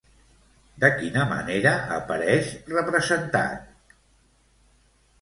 De quina manera apareix representat?